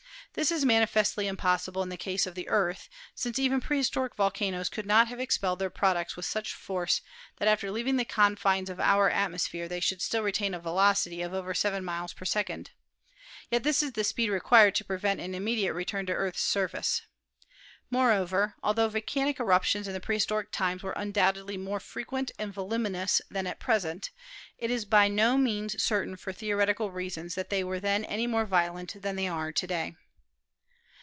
This is manifestly impossible in the case of the Earth, since even prehistoric volcanoes could not have expelled their products with such force that after leaving the confines of our atmosphere they should still retain a velocity of over seven miles per second. Yet this is the speed required to prevent an im mediate return to the Earth's surface. Moreover, altho volcanic eruptions in prehistoric times were undoubtedly more frequent and voluminous than at present, it is by no means certain for theoretical reasons that they were then any more violent than they are to day.